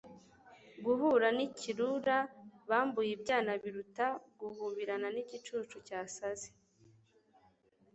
guhura n'ikirura bambuye ibyana biruta guhubirana n'igicucu cyasaze